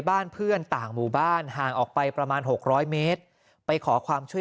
บ้านเพื่อนต่างหมู่บ้านห่างออกไปประมาณ๖๐๐เมตรไปขอความช่วย